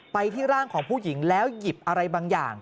ไปที่ร่างของผู้หญิงแล้วหยิบอะไรบางอย่าง